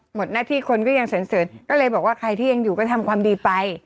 หมดหน้าที่คนก็ยังเสริญก็เลยบอกว่าใครที่ยังอยู่ก็ทำความดีไป